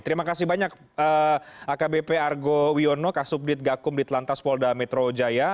terima kasih banyak akbp argo wiono kasubdit gakum ditlantas polda metro jaya